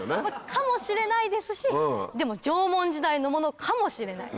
かもしれないですしでも縄文時代のものかもしれない。